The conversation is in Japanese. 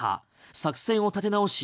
作戦を立て直し